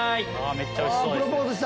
めっちゃおいしそうです。